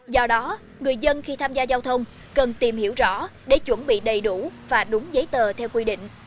do đó người dân khi tham gia giao thông cần tìm hiểu rõ để chuẩn bị đầy đủ và đúng giấy tờ theo quy định